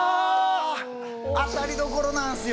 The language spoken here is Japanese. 当たりどころなんですよ！